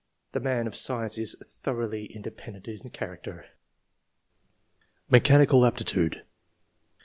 The man of science is thoroughly inde [)endent in character. MECHANICAL APTITUDE.